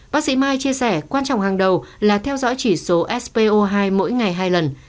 bác sĩ mai chia sẻ quan trọng hàng đầu là theo dõi chỉ số spo hai mỗi ngày hai lần